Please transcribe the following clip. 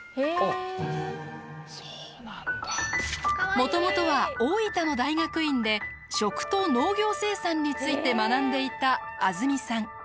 もともとは大分の大学院で食と農業生産について学んでいたあづみさん。